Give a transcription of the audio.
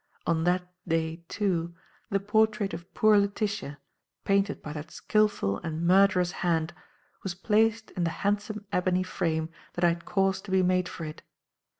On that day, too, the portrait of poor Letitia, painted by that skilful and murderous hand, was placed in the handsome ebony frame that I had caused to be made for it.